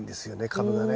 株がね。